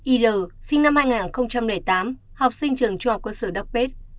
il sinh năm hai nghìn tám học sinh trường trung học cơ sở đắc pết